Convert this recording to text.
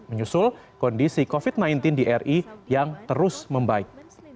menyusul kondisi covid sembilan belas di ri yang terus membaik